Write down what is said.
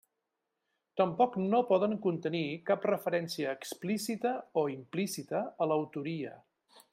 Tampoc no poden contenir cap referència explícita o implícita a l'autoria.